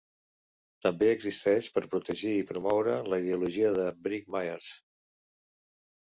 També existeix per protegir i promoure la ideologia de Briggs Myers.